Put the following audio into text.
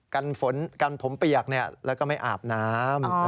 กลับงานกลับท้องเปียบแล้วก็ไม่อาบน้ำ